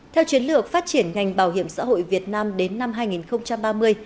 theo chiến lược phát triển ngành bảo hiểm xã hội việt nam đến năm hai nghìn ba mươi